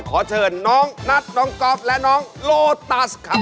ขอเชิญน้องนัทน้องก๊อฟและน้องโลตัสครับ